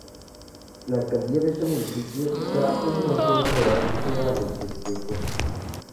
La alcaldía de este municipio da un mayor realce a los festejos.